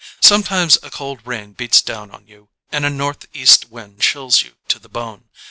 Sometimes a cold rain beats down on you and a northeast wind chills you to the bone.